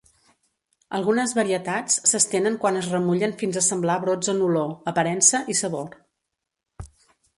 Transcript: Algunes varietats s'estenen quan es remullen fins a semblar brots en olor, aparença i sabor.